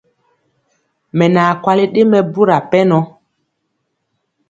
Mɛ naa kwali ɗe mɛbura pɛnɔ.